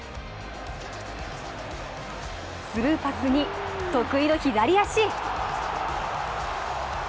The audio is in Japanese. スルーパスに、得意の左足。